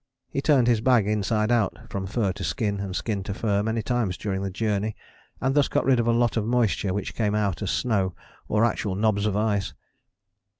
He turned his bag inside out from fur to skin, and skin to fur, many times during the journey, and thus got rid of a lot of moisture which came out as snow or actual knobs of ice.